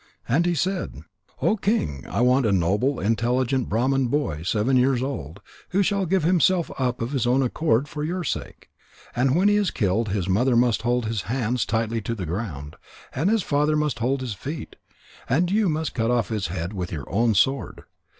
And he said: "O King, I want a noble, intelligent Brahman boy seven years old, who shall give himself up of his own accord for your sake. And when he is killed, his mother must hold his hands tightly to the ground, and his father must hold his feet, and you must cut off his head with your own sword.